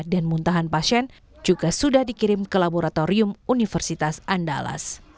muntahan pasien juga sudah dikirim ke laboratorium universitas andalas